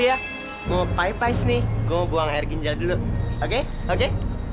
aduh jangan gue jangan gue